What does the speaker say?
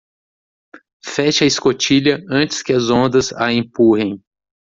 Feche a escotilha antes que as ondas a empurrem.